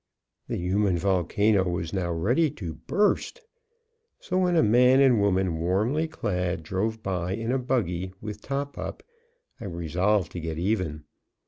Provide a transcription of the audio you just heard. The human volcano was now ready to burst. So when a man and woman warmly clad drove by in a buggy, with top up, I resolved to get even.